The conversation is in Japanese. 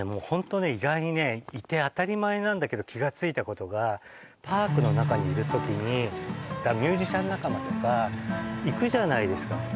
ホントね意外にね一見当たり前なんだけど気がついたことがパークの中にいる時にミュージシャン仲間とか行くじゃないですか